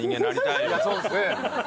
いやそうですね。